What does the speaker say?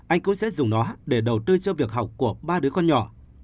anh cũng sẽ dùng nó để đầu tư cho việc học của ba đứa con nhỏ